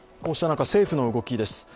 こうした中、政府の動きです。